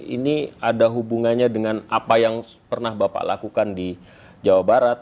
ini ada hubungannya dengan apa yang pernah bapak lakukan di jawa barat